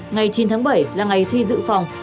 ngày chín tháng bảy là ngày thi dự phòng